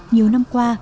nhiều năm qua